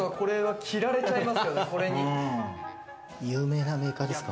有名なメーカーですか？